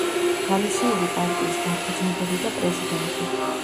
გალისიური პარტიის დამფუძნებელი და პრეზიდენტი.